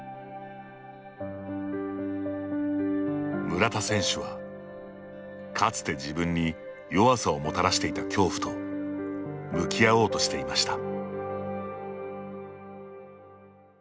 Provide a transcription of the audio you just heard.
村田選手は、かつて自分に弱さをもたらしていた恐怖と向き合おうとしていました。